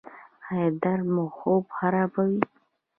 ایا درد مو خوب خرابوي؟